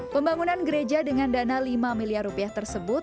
pembangunan gereja dengan dana lima miliar rupiah tersebut